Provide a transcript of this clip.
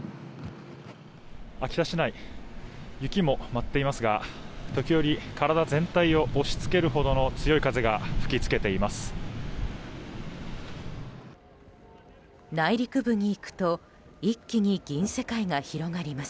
秋田市内雪も舞っていますが時折、体全体を押し付けるほどの強い風が吹き付けています。